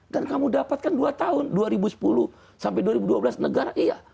dan kamu dapatkan dua tahun dua ribu sepuluh sampai dua ribu dua belas negara iya